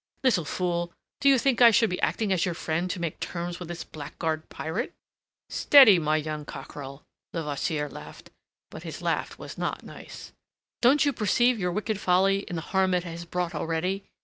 "Little fool, do you think I should be acting as your friend to make terms with this blackguard pirate?" "Steady, my young cockerel!" Levasseur laughed. But his laugh was not nice. "Don't you perceive your wicked folly in the harm it has brought already?